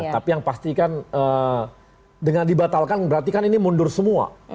tapi yang pasti kan dengan dibatalkan berarti kan ini mundur semua